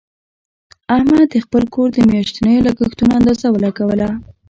احمد د خپل کور د میاشتنیو لګښتونو اندازه ولګوله.